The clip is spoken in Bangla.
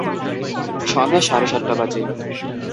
সন্ধ্যা সাড়ে সাতটা বাজে।